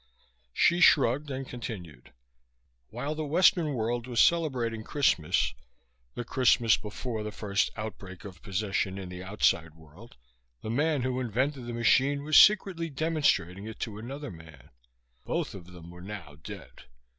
Hsi shrugged and continued. While the Western World was celebrating Christmas the Christmas before the first outbreak of possession in the outside world the man who invented the machine was secretly demonstrating it to another man. Both of them were now dead.